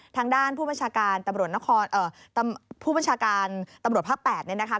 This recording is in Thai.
ทางด้านผู้บัญชาการตำรวจภาค๘เนี่ยนะคะ